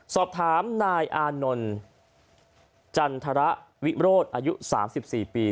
สอบถามนายอานนท์จันทรวิโรธอายุ๓๔ปี